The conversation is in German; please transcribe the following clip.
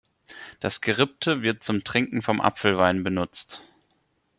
Das Gerippte wird zum Trinken von Apfelwein benutzt.